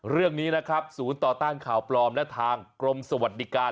เรื่องนี้นะครับศูนย์ต่อต้านข่าวปลอมและทางกรมสวัสดิการ